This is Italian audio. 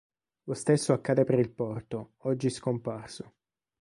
Lo stesso accadde per il porto, oggi scomparso.